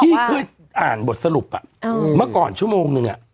ที่เคยอ่านบทสรุปอ่ะอืมเมื่อก่อนชั่วโมงหนึ่งอ่ะ